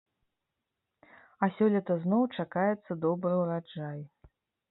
А сёлета зноў чакаецца добры ўраджай.